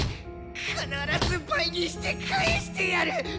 必ず倍にして返してやるッ！